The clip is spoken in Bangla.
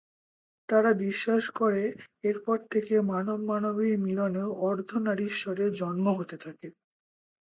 তারা বিশ্বাস করে এর পর থেকে মানব মানবীর মিলনেও অর্ধনারীশ্বরের জন্ম হতে থাকে।